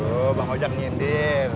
oh bang ojak ngindir